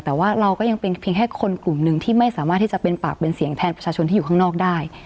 แต่ว่าเราก็ยังเป็นเพียงแค่คนกลุ่มหนึ่งที่ไม่สามารถที่จะเป็นปากเป็นเสียงแทนประชาชนที่อยู่ข้างนอกได้